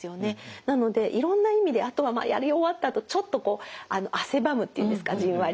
なのでいろんな意味であとはまあやり終わったあとちょっとこう汗ばむっていうんですかじんわり。